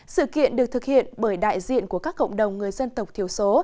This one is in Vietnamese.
sự kiện được thực hiện bởi đại diện của các cộng đồng người dân tộc thiểu số